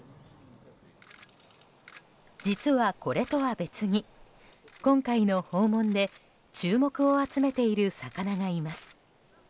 実は、これとは別に今回の訪問で注目を集めている魚がいます。